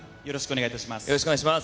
よろしくお願いします